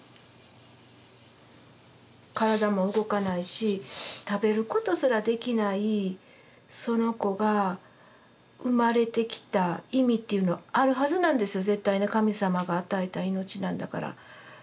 体も動かないし食べることすらできないその子が生まれてきた意味っていうのはあるはずなんですよ絶対神様が与えた命なんだから。